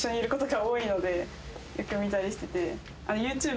よく見たりしてて。